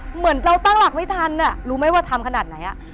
เหมือนเราตั้งหลักไม่ทันรู้ไหมว่าทำขนาดไหน